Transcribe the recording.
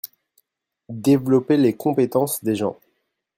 Développer les compétences des gens.